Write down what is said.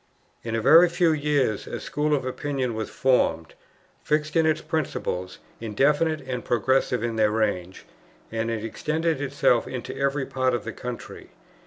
In a very few years a school of opinion was formed, fixed in its principles, indefinite and progressive in their range; and it extended itself into every part of the country.